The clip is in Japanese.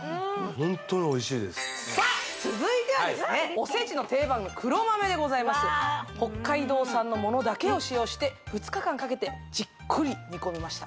ホントにおいしいですさあ続いてはですねおせちの定番の黒豆でございます北海道産のものだけを使用して２日間かけてじっくり煮込みました